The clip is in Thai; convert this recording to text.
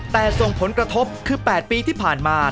แต่ส่งผลกระทบคือ๘ปีที่ผ่านมา